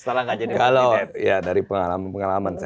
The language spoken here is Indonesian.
setelah nggak jadi presiden